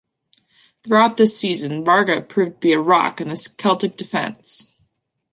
Throughout this season Varga proved to be a rock in the Celtic defence.